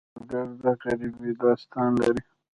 سوالګر د غریبۍ داستان لري